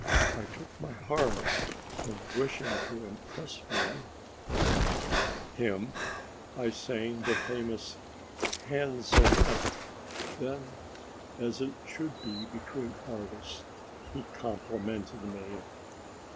I took my harp and, wishing to impress him, I sang the famous canzonette. Then, as it should be between artists, he complimented me.